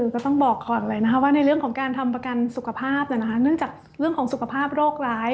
ก็ต้องบอกก่อนเลยนะคะว่าในเรื่องของการทำประกันสุขภาพเนื่องจากเรื่องของสุขภาพโรคร้าย